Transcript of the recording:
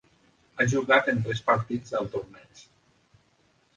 Ha jugat en tres partits del torneig.